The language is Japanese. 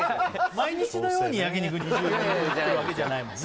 毎日のように焼肉２０人分いってるわけじゃないもんね